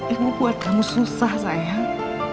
ibu buat kamu susah sayang